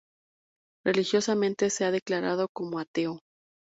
Religiosamente se ha declarado como ateo.